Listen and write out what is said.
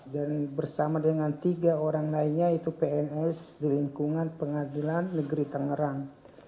dan bersama dengan tiga orang lainnya itu pns di lingkungan pengadilan negeri tangerang